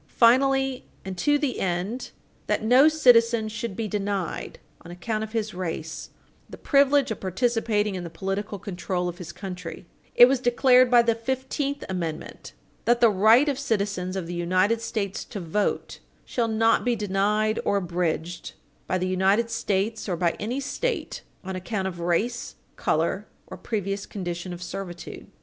Finally, and to the end that no citizen should be denied, on account of his race, the privilege of participating in the political control of his country, it as declared by the Fifteenth Amendment that "the right of citizens of the United States to vote shall not be denied or abridged by the United States or by any State on account of race, color or previous condition of servitude."